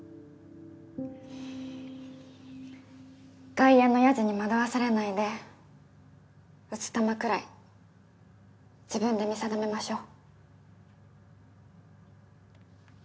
外野の野次に惑わされないで打つ球くらい自分で見定めましょう。